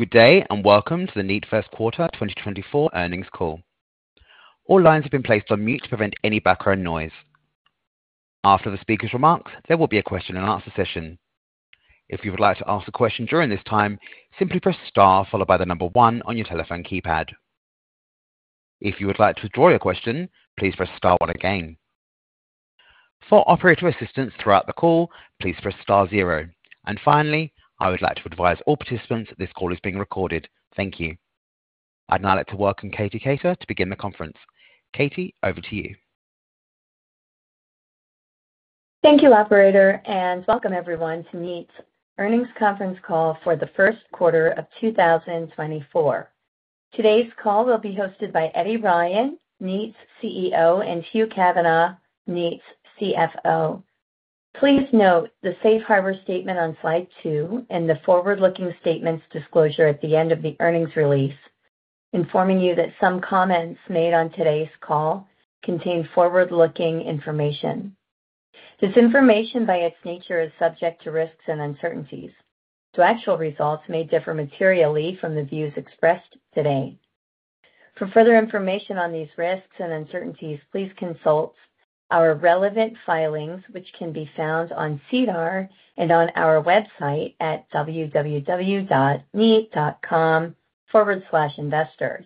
Good day and welcome to the Kneat First Quarter 2024 earnings call. All lines have been placed on mute to prevent any background noise. After the speaker's remarks, there will be a question-and-answer session. If you would like to ask a question during this time, simply press * followed by the number 1 on your telephone keypad. If you would like to withdraw your question, please press * again. For operator assistance throughout the call, please press *. And finally, I would like to advise all participants that this call is being recorded. Thank you. I'd now like to welcome Katie Keita to begin the conference. Katie, over to you. Thank you, operator, and welcome everyone to Kneat's earnings conference call for the first quarter of 2024. Today's call will be hosted by Eddie Ryan, Kneat's CEO, and Hugh Kavanagh, Kneat's CFO. Please note the Safe Harbor statement on slide 2 and the forward-looking statements disclosure at the end of the earnings release, informing you that some comments made on today's call contain forward-looking information. This information, by its nature, is subject to risks and uncertainties, so actual results may differ materially from the views expressed today. For further information on these risks and uncertainties, please consult our relevant filings, which can be found on SEDAR and on our website at www.kneat.com/investors.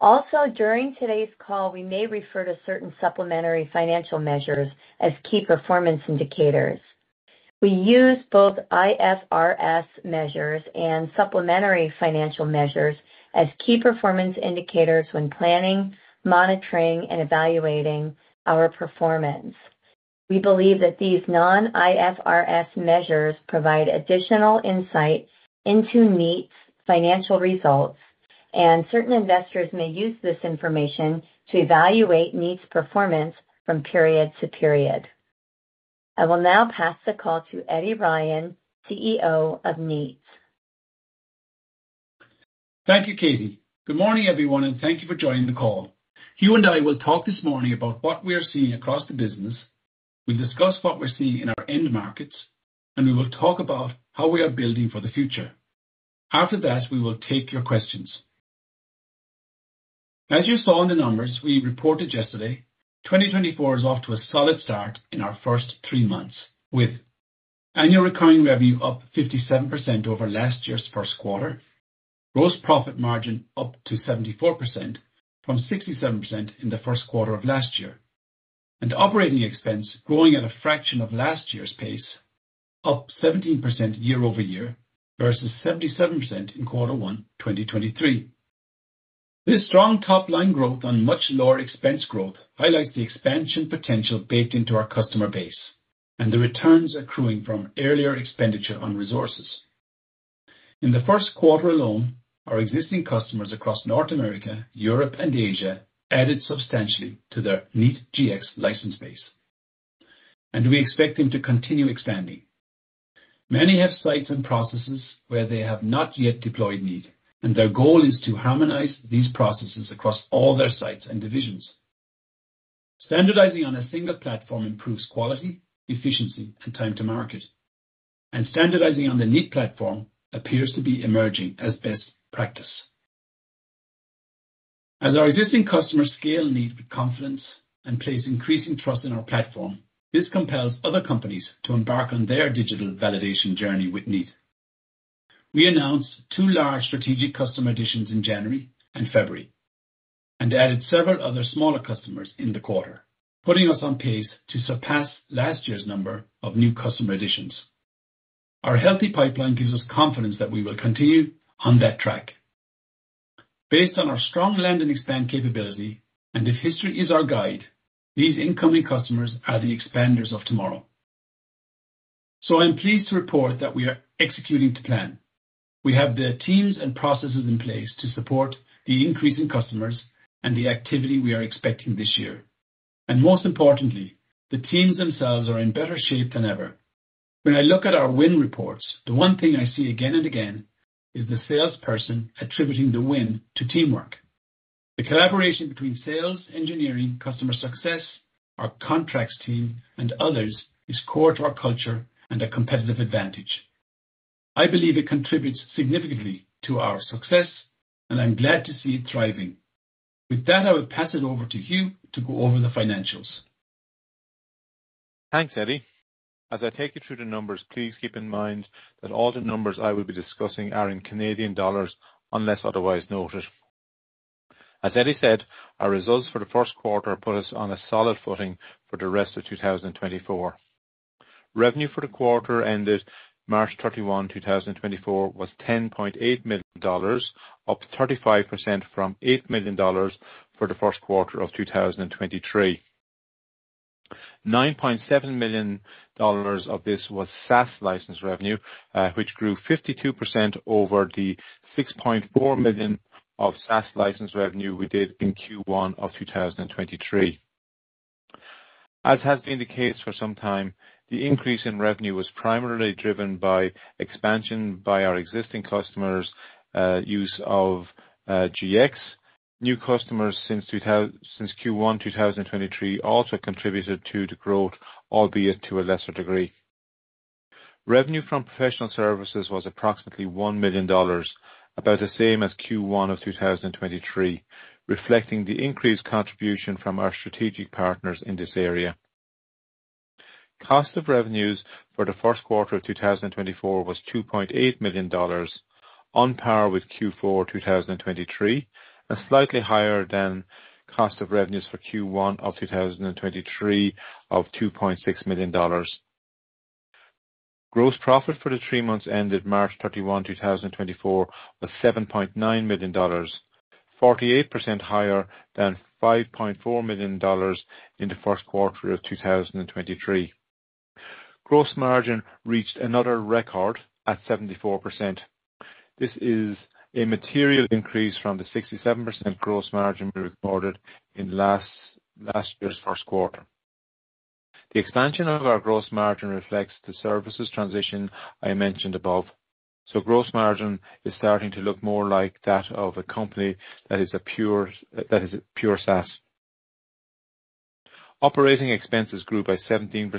Also, during today's call, we may refer to certain supplementary financial measures as key performance indicators. We use both IFRS measures and supplementary financial measures as key performance indicators when planning, monitoring, and evaluating our performance. We believe that these non-IFRS measures provide additional insight into Kneat's financial results, and certain investors may use this information to evaluate Kneat's performance from period to period. I will now pass the call to Eddie Ryan, CEO of Kneat. Thank you, Katie. Good morning, everyone, and thank you for joining the call. Hugh and I will talk this morning about what we are seeing across the business. We'll discuss what we're seeing in our end markets, and we will talk about how we are building for the future. After that, we will take your questions. As you saw in the numbers we reported yesterday, 2024 is off to a solid start in our first three months, with annual recurring revenue up 57% over last year's first quarter, gross profit margin up to 74% from 67% in the first quarter of last year, and operating expense growing at a fraction of last year's pace, up 17% year-over-year versus 77% in quarter 1, 2023. This strong top-line growth on much lower expense growth highlights the expansion potential baked into our customer base, and the returns accruing from earlier expenditure on resources. In the first quarter alone, our existing customers across North America, Europe, and Asia added substantially to their Kneat Gx license base, and we expect them to continue expanding. Many have sites and processes where they have not yet deployed Kneat, and their goal is to harmonize these processes across all their sites and divisions. Standardizing on a single platform improves quality, efficiency, and time to market, and standardizing on the Kneat platform appears to be emerging as best practice. As our existing customers scale Kneat with confidence and place increasing trust in our platform, this compels other companies to embark on their digital validation journey with Kneat. We announced 2 large strategic customer additions in January and February and added several other smaller customers in the quarter, putting us on pace to surpass last year's number of new customer additions. Our healthy pipeline gives us confidence that we will continue on that track. Based on our strong land-and-expand capability and if history is our guide, these incoming customers are the expanders of tomorrow. So I'm pleased to report that we are executing to plan. We have the teams and processes in place to support the increasing customers and the activity we are expecting this year. And most importantly, the teams themselves are in better shape than ever. When I look at our win reports, the one thing I see again and again is the salesperson attributing the win to teamwork. The collaboration between sales, engineering, customer success, our contracts team, and others is core to our culture and a competitive advantage. I believe it contributes significantly to our success, and I'm glad to see it thriving. With that, I will pass it over to Hugh to go over the financials. Thanks, Eddie. As I take you through the numbers, please keep in mind that all the numbers I will be discussing are in Canadian dollars unless otherwise noted. As Eddie said, our results for the first quarter put us on a solid footing for the rest of 2024. Revenue for the quarter ended March 31, 2024, was 10.8 million dollars, up 35% from 8 million dollars for the first quarter of 2023. 9.7 million dollars of this was SaaS license revenue, which grew 52% over the 6.4 million of SaaS license revenue we did in Q1 of 2023. As has been the case for some time, the increase in revenue was primarily driven by expansion by our existing customers, use of GX. New customers since Q1 2023 also contributed to the growth, albeit to a lesser degree. Revenue from professional services was approximately 1 million dollars, about the same as Q1 of 2023, reflecting the increased contribution from our strategic partners in this area. Cost of revenues for the first quarter of 2024 was 2.8 million dollars, on par with Q4 2023 and slightly higher than cost of revenues for Q1 of 2023 of 2.6 million dollars. Gross profit for the three months ended March 31, 2024, was 7.9 million dollars, 48% higher than 5.4 million dollars in the first quarter of 2023. Gross margin reached another record at 74%. This is a material increase from the 67% gross margin we recorded in last year's first quarter. The expansion of our gross margin reflects the services transition I mentioned above, so gross margin is starting to look more like that of a company that is pure SaaS. Operating expenses grew by 17%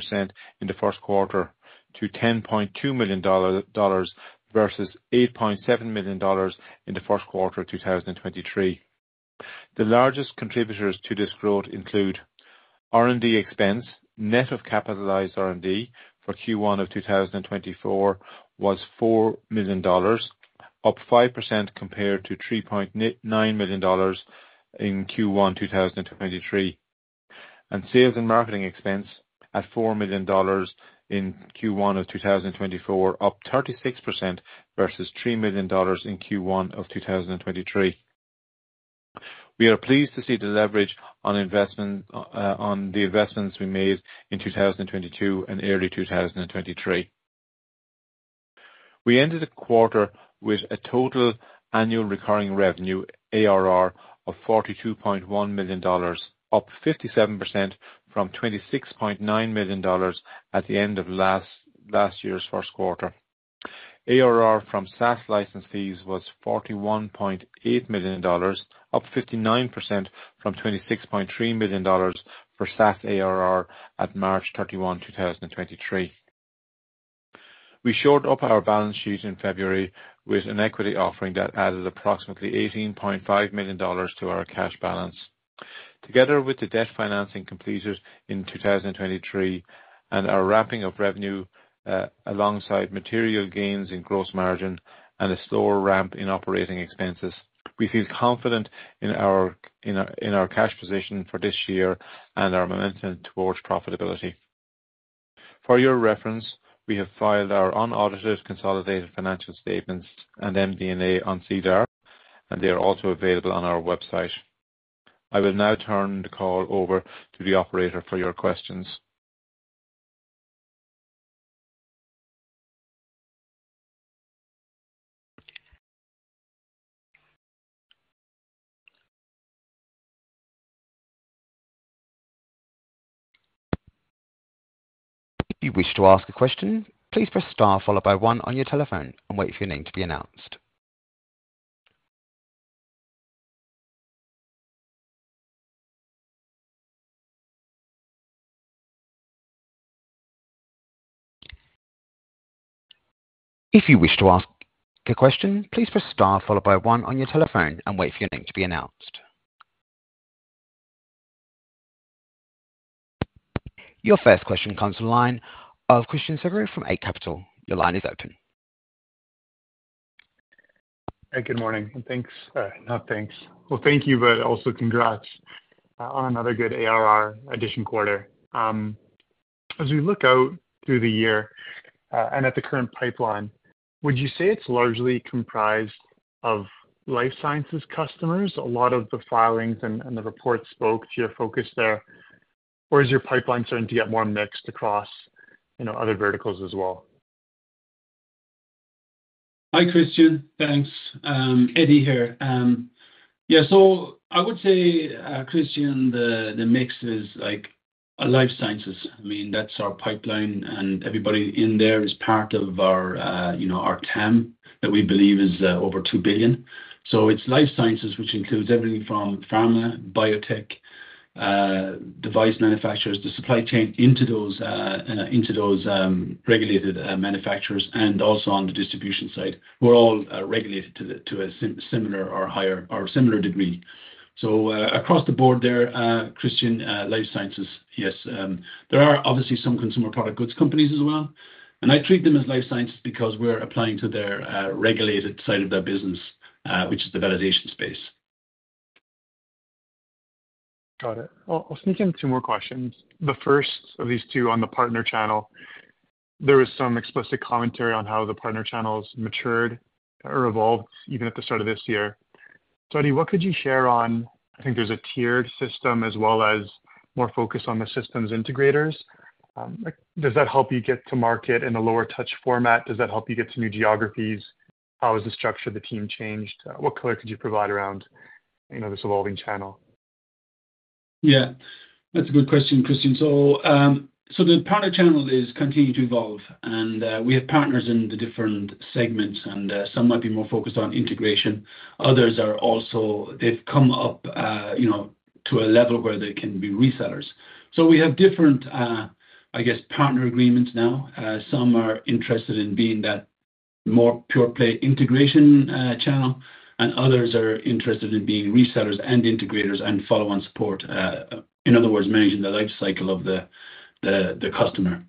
in the first quarter to 10.2 million dollars versus 8.7 million dollars in the first quarter of 2023. The largest contributors to this growth include R&D expense. Net of capitalized R&D for Q1 of 2024 was 4 million dollars, up 5% compared to 3.9 million dollars in Q1 2023, and sales and marketing expense at 4 million dollars in Q1 of 2024, up 36% versus 3 million dollars in Q1 of 2023. We are pleased to see the leverage on the investments we made in 2022 and early 2023. We ended the quarter with a total annual recurring revenue, ARR, of 42.1 million dollars, up 57% from 26.9 million dollars at the end of last year's first quarter. ARR from SaaS license fees was 41.8 million dollars, up 59% from 26.3 million dollars for SaaS ARR at March 31, 2023. We shored up our balance sheet in February with an equity offering that added approximately 18.5 million dollars to our cash balance. Together with the debt financing completed in 2023 and our ramping of revenue alongside material gains in gross margin and a slower ramp in operating expenses, we feel confident in our cash position for this year and our momentum towards profitability. For your reference, we have filed our unaudited consolidated financial statements and MD&A on SEDAR, and they are also available on our website. I will now turn the call over to the operator for your questions. If you wish to ask a question, please press * followed by 1 on your telephone and wait for your name to be announced. If you wish to ask a question, please press * followed by 1 on your telephone and wait for your name to be announced. Your first question comes on the line of Christian Sgro from Eight Capital. Your line is open. Hey, good morning. Thanks. Well, thank you, but also congrats on another good ARR addition quarter. As we look out through the year and at the current pipeline, would you say it's largely comprised of life sciences customers? A lot of the filings and the reports spoke to your focus there, or is your pipeline starting to get more mixed across other verticals as well? Hi, Christian. Thanks. Eddie here. Yeah, so I would say, Christian, the mix is life sciences. I mean, that's our pipeline, and everybody in there is part of our TAM that we believe is over 2 billion. So it's life sciences, which includes everything from pharma, biotech, device manufacturers, the supply chain into those regulated manufacturers, and also on the distribution side, who are all regulated to a similar or higher or similar degree. So across the board there, Christian, life sciences, yes. There are obviously some consumer product goods companies as well, and I treat them as life sciences because we're applying to their regulated side of their business, which is the validation space. Got it. I'll sneak in two more questions. The first of these two on the partner channel, there was some explicit commentary on how the partner channels matured or evolved even at the start of this year. So Eddie, what could you share on, I think there's a tiered system as well as more focus on the systems integrators? Does that help you get to market in a lower-touch format? Does that help you get to new geographies? How has the structure of the team changed? What color could you provide around this evolving channel? Yeah, that's a good question, Christian. So the partner channel is continuing to evolve, and we have partners in the different segments, and some might be more focused on integration. Others are also—they've come up to a level where they can be resellers. So we have different, I guess, partner agreements now. Some are interested in being that more pure-play integration channel, and others are interested in being resellers and integrators and follow-on support, in other words, managing the life cycle of the customer.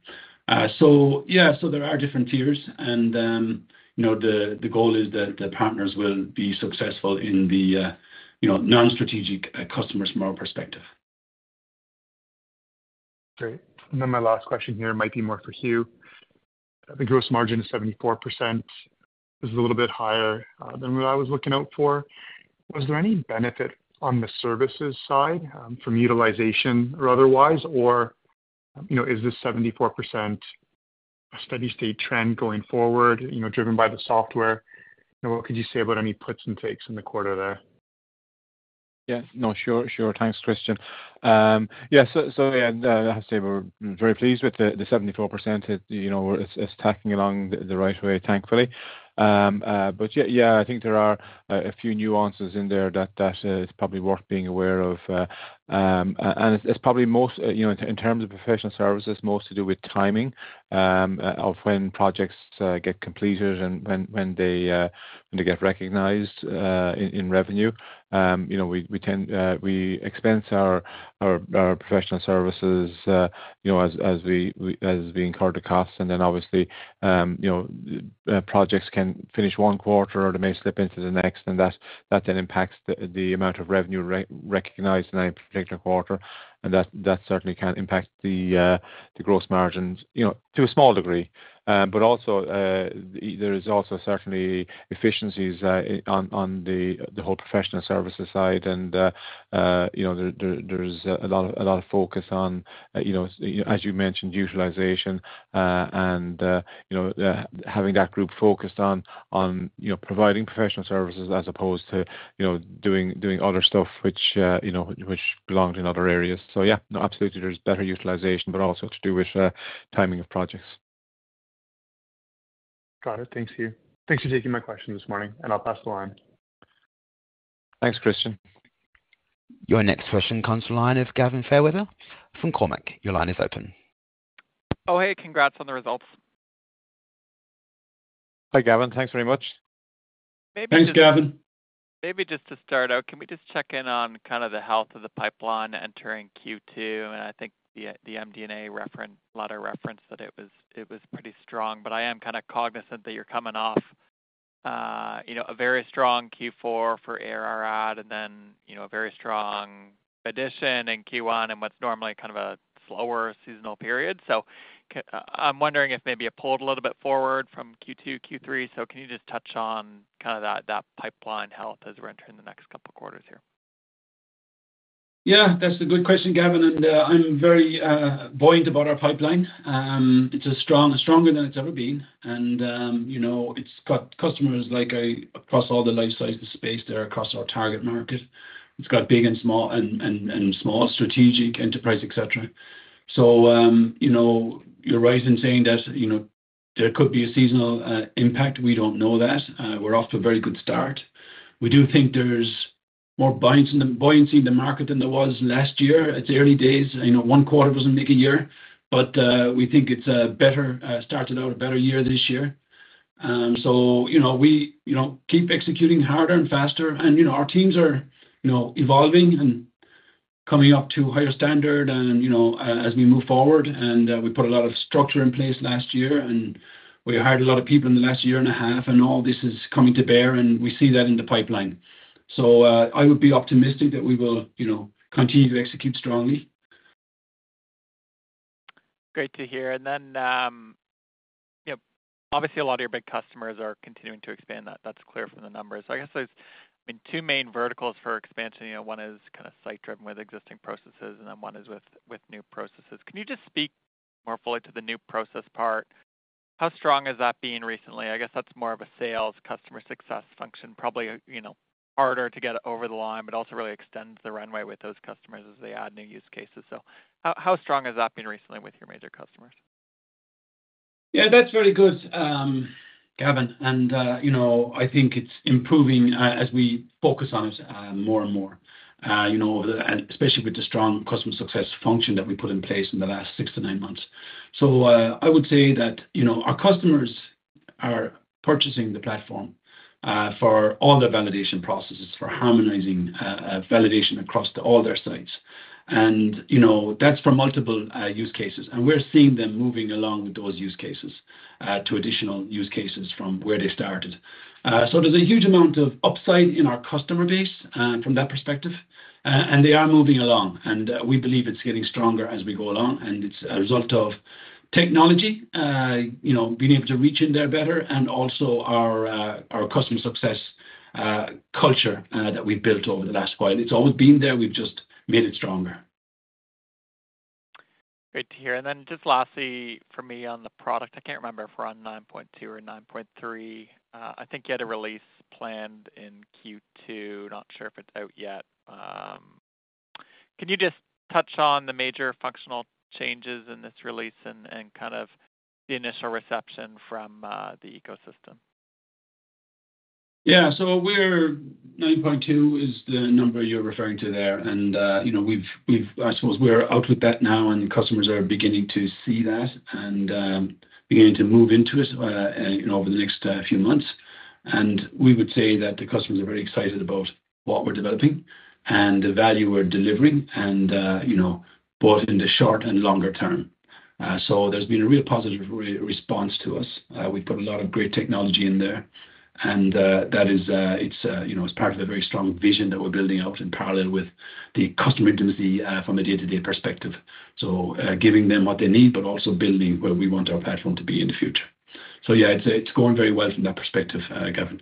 So yeah, so there are different tiers, and the goal is that the partners will be successful in the non-strategic customer SMART perspective. Great. Then my last question here might be more for Hugh. The gross margin is 74%. This is a little bit higher than what I was looking out for. Was there any benefit on the services side from utilization or otherwise, or is this 74% a steady-state trend going forward driven by the software? What could you say about any puts and takes in the quarter there? Yeah, no, sure. Thanks, Christian. Yeah, so yeah, I have to say we're very pleased with the 74%. It's tracking along the right way, thankfully. But yeah, I think there are a few nuances in there that it's probably worth being aware of. And it's probably most in terms of professional services, most to do with timing of when projects get completed and when they get recognized in revenue. We expense our professional services as we incur the costs, and then obviously, projects can finish one quarter or they may slip into the next, and that then impacts the amount of revenue recognized in any particular quarter. And that certainly can impact the gross margin to a small degree. But also, there is also certainly efficiencies on the whole professional services side, and there's a lot of focus on, as you mentioned, utilization and having that group focused on providing professional services as opposed to doing other stuff which belongs in other areas. So yeah, no, absolutely, there's better utilization, but also to do with timing of projects. Got it. Thanks, Hugh. Thanks for taking my question this morning, and I'll pass the line. Thanks, Christian. Your next question comes on the line of Gavin Fairweather from Cormark. Your line is open. Oh, hey. Congrats on the results. Hi, Gavin. Thanks very much. Thanks, Gavin. Maybe just to start out, can we just check in on kind of the health of the pipeline entering Q2? I think the MD&A letter referenced that it was pretty strong, but I am kind of cognizant that you're coming off a very strong Q4 for ARR add and then a very strong addition in Q1 and what's normally kind of a slower seasonal period. I'm wondering if maybe it pulled a little bit forward from Q2, Q3. Can you just touch on kind of that pipeline health as we're entering the next couple of quarters here? Yeah, that's a good question, Gavin. I'm very buoyant about our pipeline. It's stronger than it's ever been, and it's got customers across all the life sciences space there, across our target market. It's got big and small and small, strategic, enterprise, etc. So you're right in saying that there could be a seasonal impact. We don't know that. We're off to a very good start. We do think there's more buoyancy in the market than there was last year. It's early days. One quarter doesn't make a year, but we think it's better started out a better year this year. We keep executing harder and faster, and our teams are evolving and coming up to higher standard as we move forward. And we put a lot of structure in place last year, and we hired a lot of people in the last year and a half, and all this is coming to bear, and we see that in the pipeline. So I would be optimistic that we will continue to execute strongly. Great to hear. And then obviously, a lot of your big customers are continuing to expand. That's clear from the numbers. I guess there's, I mean, two main verticals for expansion. One is kind of site-driven with existing processes, and then one is with new processes. Can you just speak more fully to the new process part? How strong is that being recently? I guess that's more of a sales customer success function, probably harder to get over the line, but also really extends the runway with those customers as they add new use cases. So how strong has that been recently with your major customers? Yeah, that's very good, Gavin. And I think it's improving as we focus on it more and more, especially with the strong customer success function that we put in place in the last 6-9 months. So I would say that our customers are purchasing the platform for all their validation processes, for harmonizing validation across all their sites. And that's for multiple use cases, and we're seeing them moving along with those use cases to additional use cases from where they started. So there's a huge amount of upside in our customer base from that perspective, and they are moving along. And we believe it's getting stronger as we go along, and it's a result of technology being able to reach in there better and also our customer success culture that we've built over the last while. It's always been there. We've just made it stronger. Great to hear. Then just lastly for me on the product, I can't remember if we're on 9.2 or 9.3. I think you had a release planned in Q2. Not sure if it's out yet. Can you just touch on the major functional changes in this release and kind of the initial reception from the ecosystem? Yeah. So 9.2 is the number you're referring to there. And I suppose we're out with that now, and customers are beginning to see that and beginning to move into it over the next few months. And we would say that the customers are very excited about what we're developing and the value we're delivering and both in the short and longer term. So there's been a real positive response to us. We've put a lot of great technology in there, and it's part of a very strong vision that we're building out in parallel with the customer intimacy from a day-to-day perspective, so giving them what they need but also building where we want our platform to be in the future. So yeah, it's going very well from that perspective, Gavin.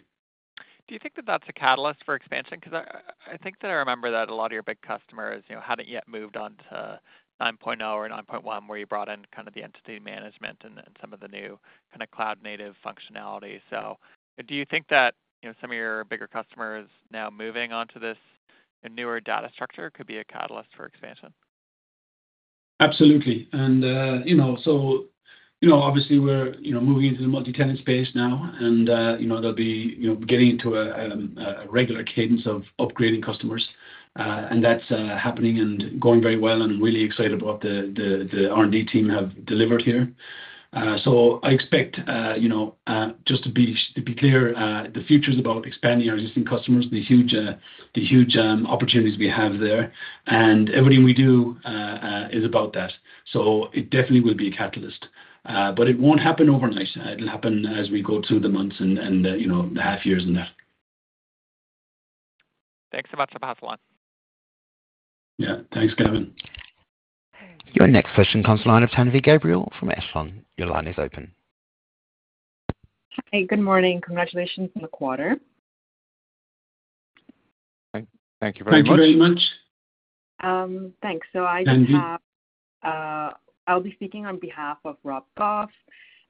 Do you think that that's a catalyst for expansion? Because I think that I remember that a lot of your big customers hadn't yet moved on to 9.0 or 9.1 where you brought in kind of the entity management and some of the new kind of cloud-native functionality. So do you think that some of your bigger customers now moving onto this newer data structure could be a catalyst for expansion? Absolutely. And so obviously, we're moving into the multi-tenant space now, and there'll be getting into a regular cadence of upgrading customers. And that's happening and going very well, and I'm really excited about what the R&D team have delivered here. So I expect, just to be clear, the future is about expanding our existing customers, the huge opportunities we have there, and everything we do is about that. So it definitely will be a catalyst, but it won't happen overnight. It'll happen as we go through the months and the half years and that. Thanks so much, I'll pass the line. Yeah, thanks, Gavin. Your next question comes on the line of Tanvi Gabriel from Echelon. Your line is open. Hi. Good morning. Congratulations on the quarter. Thank you very much. Thank you very much. Thanks. So I'll be speaking on behalf of Rob Goff,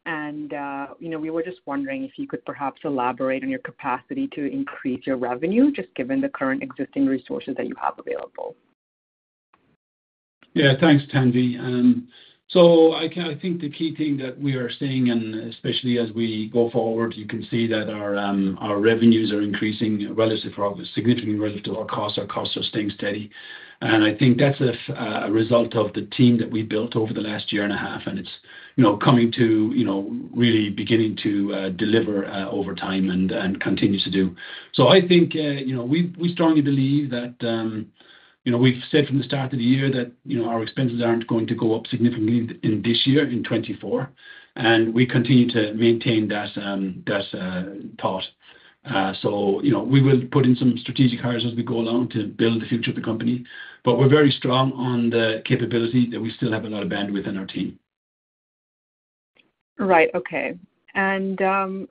and we were just wondering if you could perhaps elaborate on your capacity to increase your revenue just given the current existing resources that you have available? Yeah, thanks, Tanvi. So I think the key thing that we are seeing, and especially as we go forward, you can see that our revenues are increasing significantly relative to our costs. Our costs are staying steady, and I think that's a result of the team that we built over the last year and a half, and it's coming to really beginning to deliver over time and continues to do. So I think we strongly believe that we've said from the start of the year that our expenses aren't going to go up significantly in this year, in 2024, and we continue to maintain that thought. So we will put in some strategic hires as we go along to build the future of the company, but we're very strong on the capability that we still have a lot of bandwidth in our team. Right. Okay. And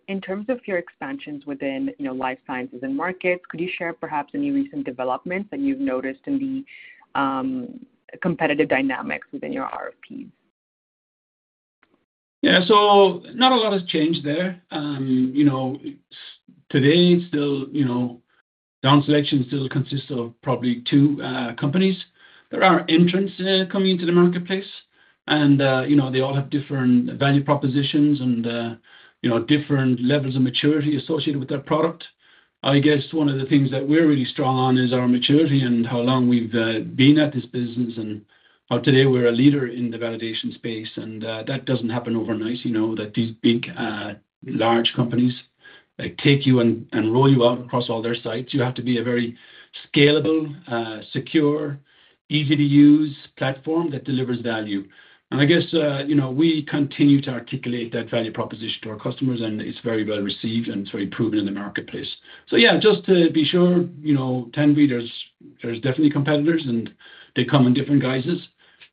in terms of your expansions within life sciences and markets, could you share perhaps any recent developments that you've noticed in the competitive dynamics within your RFPs? Yeah, so not a lot has changed there. Today, down selection still consists of probably two companies. There are entrants coming into the marketplace, and they all have different value propositions and different levels of maturity associated with their product. I guess one of the things that we're really strong on is our maturity and how long we've been at this business and how today we're a leader in the validation space. And that doesn't happen overnight, that these big, large companies take you and roll you out across all their sites. You have to be a very scalable, secure, easy-to-use platform that delivers value. And I guess we continue to articulate that value proposition to our customers, and it's very well received, and it's very proven in the marketplace. So yeah, just to be sure, Tanvi, there's definitely competitors, and they come in different guises.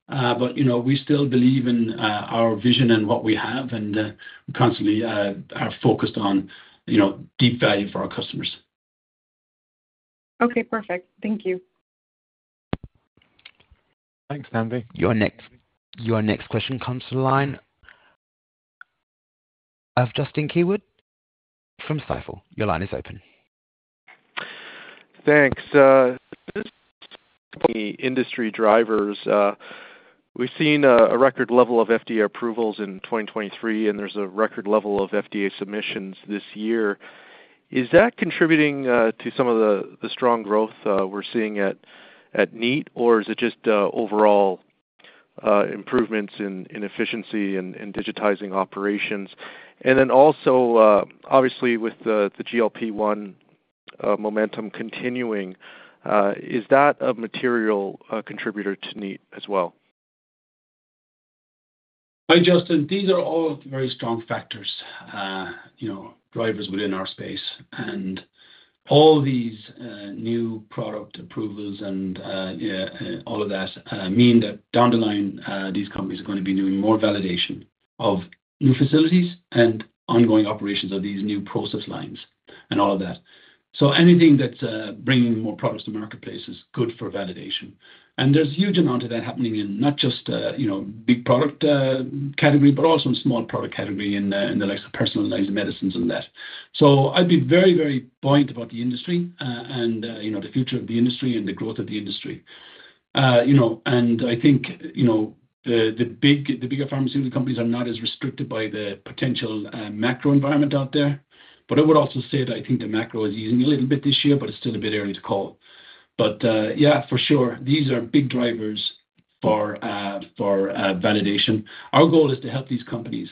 But we still believe in our vision and what we have, and we constantly are focused on deep value for our customers. Okay. Perfect. Thank you. Thanks, Tanvi. Your next question comes to the line of Justin Keywood from Stifel. Your line is open. Thanks. This is a couple of industry drivers. We've seen a record level of FDA approvals in 2023, and there's a record level of FDA submissions this year. Is that contributing to some of the strong growth we're seeing at Kneat, or is it just overall improvements in efficiency and digitizing operations? And then also, obviously, with the GLP-1 momentum continuing, is that a material contributor to Kneat as well? Hi, Justin. These are all very strong factors, drivers within our space. All these new product approvals and all of that mean that down the line, these companies are going to be doing more validation of new facilities and ongoing operations of these new process lines and all of that. Anything that's bringing more products to marketplace is good for validation. There's a huge amount of that happening in not just big product category, but also in small product category in the likes of personalized medicines and that. I'd be very, very buoyant about the industry and the future of the industry and the growth of the industry. I think the bigger pharmaceutical companies are not as restricted by the potential macro environment out there, but I would also say that I think the macro is easing a little bit this year, but it's still a bit early to call. But yeah, for sure, these are big drivers for validation. Our goal is to help these companies.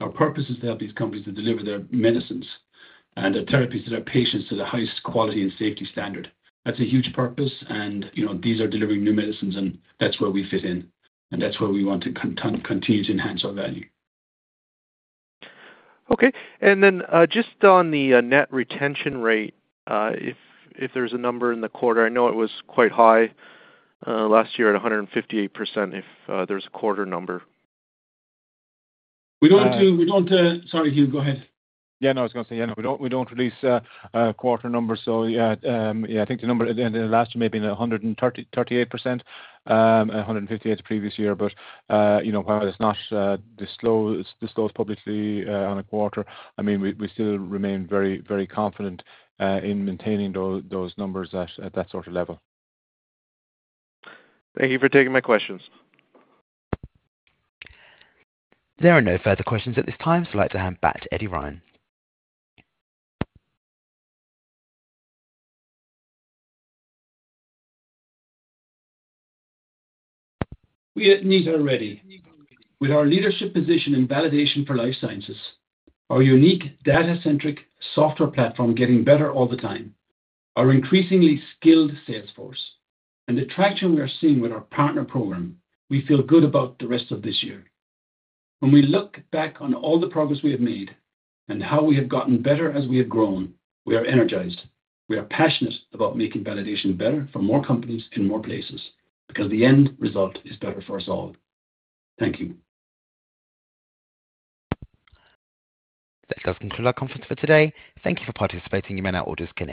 Our purpose is to help these companies to deliver their medicines and their therapies to their patients to the highest quality and safety standard. That's a huge purpose, and these are delivering new medicines, and that's where we fit in, and that's where we want to continue to enhance our value. Okay. Then just on the net retention rate, if there's a number in the quarter, I know it was quite high last year at 158%, if there's a quarter number? We don't do sorry, Hugh. Go ahead. Yeah. No, I was going to say, yeah, no, we don't release quarter numbers. So yeah, I think the number in the last year may have been 138%, 158% the previous year. But while it's not disclosed as publicly on a quarter, I mean, we still remain very, very confident in maintaining those numbers at that sort of level. Thank you for taking my questions. There are no further questions at this time, so I'd like to hand back to Eddie Ryan. We at Kneat already, with our leadership position in validation for life sciences, our unique data-centric software platform getting better all the time, our increasingly skilled sales force, and the traction we are seeing with our partner program, we feel good about the rest of this year. When we look back on all the progress we have made and how we have gotten better as we have grown, we are energized. We are passionate about making validation better for more companies in more places because the end result is better for us all. Thank you. That does conclude our conference for today. Thank you for participating. You may now disconnect.